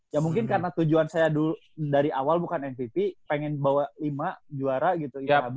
ya mungkin karena tujuan saya dulu dari awal bukan npp pengen bawa lima juara gitu